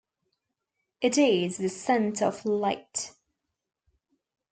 It is the centre of light.